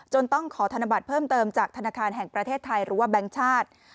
ต้องขอธนบัตรเพิ่มเติมจากธนาคารแห่งประเทศไทยหรือว่าแบงค์ชาติ